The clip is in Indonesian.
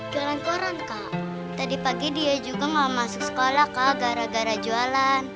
jualan koran kak tadi pagi dia juga nggak masuk sekolah kak gara gara jualan